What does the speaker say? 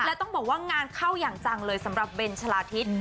และต้องบอกว่างานเข้าอย่างจังเลยสำหรับเบนชะลาทิศ